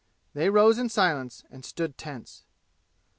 They rose in silence and stood tense.